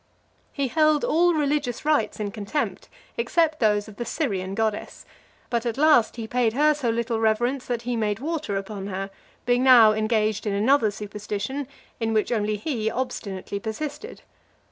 LVI. He held all religious rites in contempt, except those of the Syrian Goddess ; but at last he paid her so little reverence, that he made water upon her; being now engaged in another superstition, in which only he obstinately persisted.